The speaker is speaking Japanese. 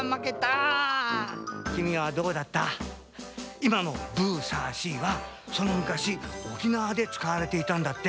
いまの「ブーサーシー」はそのむかし沖縄でつかわれていたんだって。